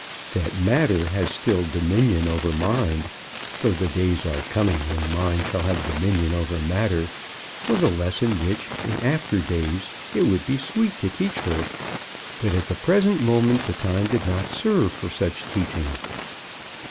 That matter has still dominion over mind, though the days are coming when mind shall have dominion over matter, was a lesson which, in after days, it would be sweet to teach her. But at the present moment the time did not serve for such teaching.